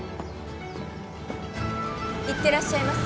いってらっしゃいませ。